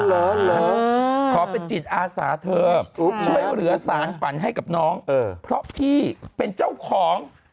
ขอเป็นจิตอาสาเธอช่วยเหลือสารฝันให้กับน้องเพราะพี่เป็นเจ้าของ